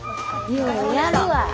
ようやるわ。